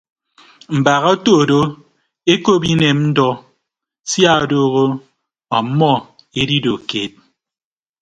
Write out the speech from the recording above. Mbaak oto ke ndo ekop inem ndọ sia odooho ọmmọ edido keed.